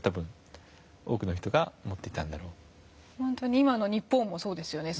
本当に今の日本もそうですよね。